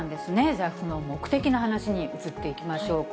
じゃあ、この目的の話に移っていきましょうか。